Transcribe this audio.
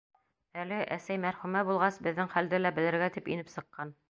Әле, әсәй мәрхүмә булғас, беҙҙең хәлде лә белергә тип инеп сыҡҡан.